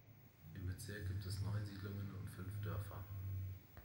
Im Bezirk gibt es neun Siedlungen und fünf Dörfer.